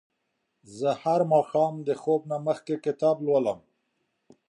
زه هر ماښام د خوب نه مخکې کتاب لولم.